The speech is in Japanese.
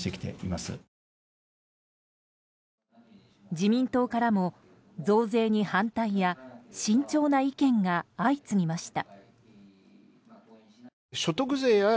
自民党からも、増税に反対や慎重な意見が相次ぎました。